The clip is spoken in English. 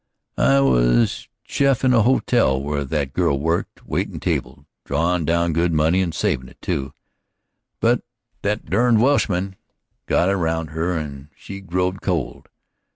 "I was chef in the hotel where that girl worked waitin' table, drawin' down good money, and savin' it, too. But that derned Welshman got around her and she growed cold.